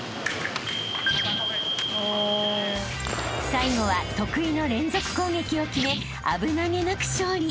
［最後は得意の連続攻撃を決め危なげなく勝利］